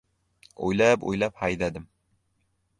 O‘ylab-o‘ylab haydadim.